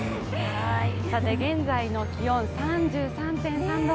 ただ現在の気温、３３．３度。